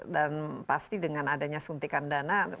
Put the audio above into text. dan pasti dengan adanya suntikan dana